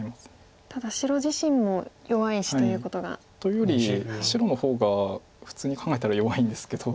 ただ白自身も弱い石ということが。というより白の方が普通に考えたら弱いんですけど。